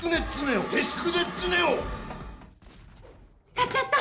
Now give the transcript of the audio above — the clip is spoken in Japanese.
買っちゃった！